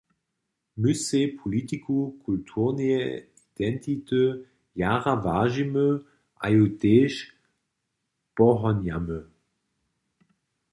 My sej politiku kulturneje identity jara wažimy a ju tež pohonjamy.